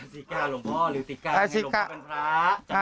สีกาหรือสีกาหรือสีกาหรือหลวงพ่อเป็นพระ